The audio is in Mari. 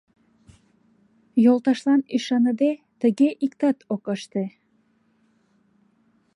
Йолташлан ӱшаныде, тыге иктат ок ыште.